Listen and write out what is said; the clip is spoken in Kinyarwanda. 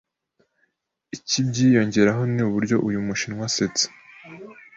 ikibyiyongeraho ni uburyo uyu mushinwa asetsa